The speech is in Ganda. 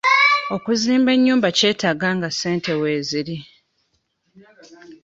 Okuzimba ennyumba kyetaaga nga ssente weeziri.